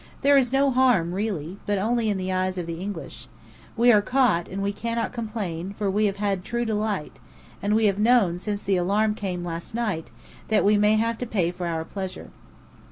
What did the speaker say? "There is no harm, really, but only in the eyes of the English. We are caught, and we cannot complain, for we have had true delight: and we have known, since the alarm came last night, that we might have to pay for our pleasure."